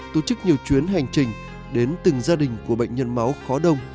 tổ chức nhiều chuyến hành trình đến từng gia đình của bệnh nhân máu khó đông